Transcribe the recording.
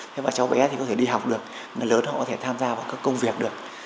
thế và cháu bé thì có thể đi học được người lớn họ có thể tham gia vào các công việc được